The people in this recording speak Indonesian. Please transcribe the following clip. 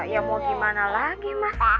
ya mau gimana lagi mas